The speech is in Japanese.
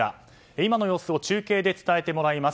今の様子を中継で伝えてもらいます。